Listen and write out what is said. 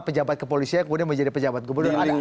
pejabat ke polisi kemudian menjadi pejabat gubernur